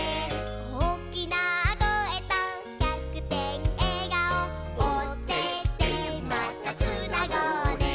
「おおきなこえと１００てんえがお」「オテテまたつなごうね」